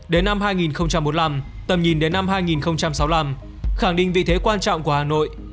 đến năm hai nghìn bốn mươi năm tầm nhìn đến năm hai nghìn sáu mươi năm khẳng định vị thế quan trọng của hà nội